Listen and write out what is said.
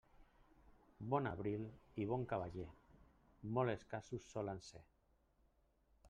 Bon abril i bon cavaller, molt escassos solen ser.